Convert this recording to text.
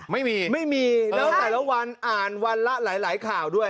ไม่มีไม่มีแล้วแต่ละวันอ่านวันละหลายข่าวด้วย